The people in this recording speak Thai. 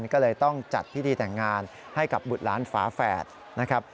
ก็เลยต้องจัดพิธีแต่งงานให้กับบุตรล้านฝาแฝดนะครับ